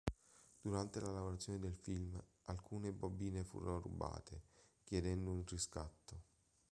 Durante la lavorazione del film, alcune bobine furono rubate, chiedendo un riscatto.